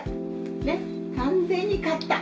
ね、完全に勝った。